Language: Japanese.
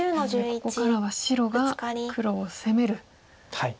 ここからは白が黒を攻める展開に。